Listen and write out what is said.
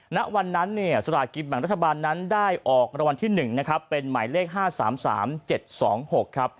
นักวันนั้นสถานกิจแห่งรัฐบาลนั้นได้ออกรวรรณที่๑เป็นหมายเลข๕๓๓๗๒๖